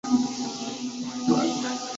তুমি আসলেই বেঁচে আছো।